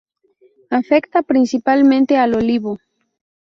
Afecta principalmente al olivo.